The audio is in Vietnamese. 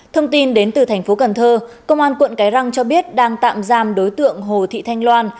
thông tin đến từ thành phố cần thơ công an quận cái răng cho biết đang tạm giam đối tượng hồ thị thanh loan